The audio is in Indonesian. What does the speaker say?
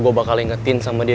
gue bakal ingetin sama dia